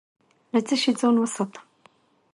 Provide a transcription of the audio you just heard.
له څه شي ځان وساتم؟